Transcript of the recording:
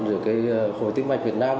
rồi cái hồi tìm mạch việt nam